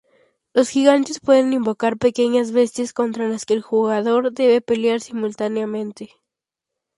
Los gigantes pueden invocar pequeñas bestias contra las que el jugador debe pelear simultáneamente.